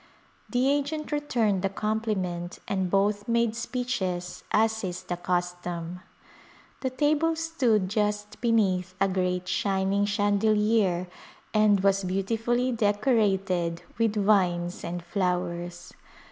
The agent returned the compliment and both made speeches as is the custom. The table stood just beneath a great shining chan delier and was beautifully decorated with vines and flowers.